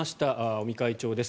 尾身会長です。